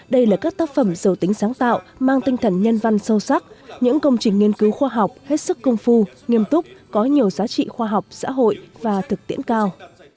đây là các tác phẩm dầu tính sáng tạo mang tinh thần nhân văn sâu sắc những công trình nghiên cứu khoa học hết sức công phu nghiêm túc có nhiều giá trị khoa học xã hội và thực tiễn cao